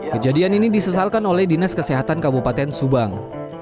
kejadian ini disesalkan oleh dinas kesehatan kabupaten subang